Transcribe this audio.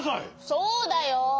そうだよ。